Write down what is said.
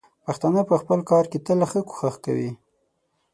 پښتانه په خپل کار کې تل ښه کوښښ کوي.